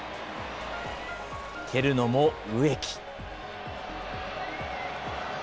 蹴るのも植木。